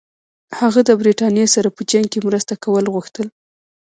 هغه د برټانیې سره په جنګ کې مرسته کول غوښتل.